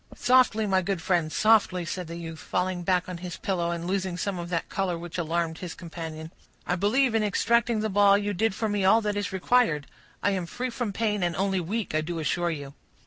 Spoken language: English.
"Softly, my good friend, softly," said the youth, falling back on his pillow, and losing some of that color which alarmed his companion. "I believe, in extracting the ball, you did for me all that is required. I am free from pain and only weak, I do assure you."